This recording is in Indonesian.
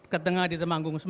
ke tengah di temanggung